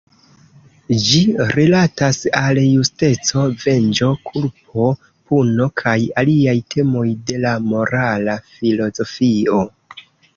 Ĝi rilatas al justeco, venĝo, kulpo, puno kaj aliaj temoj de la morala filozofio.